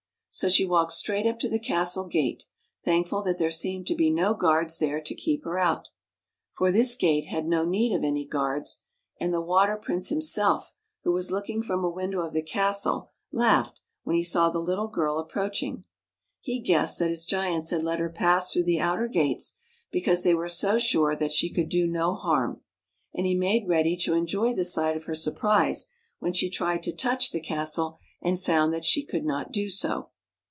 So she walked straight up to the castle gate, thankful that there seemed to be no guards there to keep her out. For this gate had no need of any guards, and the Water Prince himself, who was looking from a window of the castle, laughed when he saw the little girl approaching. He guessed that his giants had let her pass through the outer gates because they were so sure that she could do no harm, and he made ready to enjoy the sight of her surprise when she tried to touch the castle and found that she could not do so.